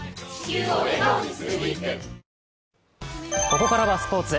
ここからはスポーツ。